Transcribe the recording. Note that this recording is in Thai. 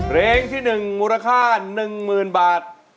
เรงที่หนึ่งมูลค่าหนึ่งหมื่นบาท